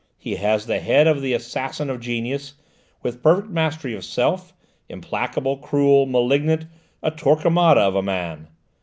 He has the head of the assassin of genius, with perfect mastery of self, implacable, cruel, malignant, a Torquemada of a man!"